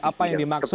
apa yang dimaksud